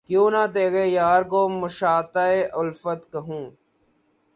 کیوں نہ تیغ یار کو مشاطۂ الفت کہوں